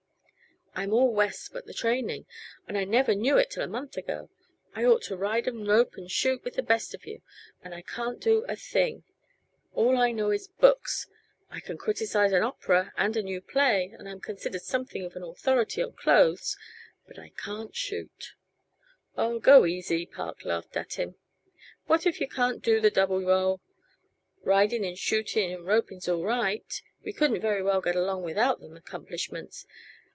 I'm all West but the training and I never knew it till a month ago! I ought to ride and rope and shoot with the best of you, and I can't do a thing. All I know is books. I can criticize an opera and a new play, and I'm considered something of an authority on clothes, but I can't shoot." "Aw, go easy," Park laughed at him. "What if yuh can't do the double roll? Riding and shooting and roping's all right we couldn't very well get along without them accomplishments.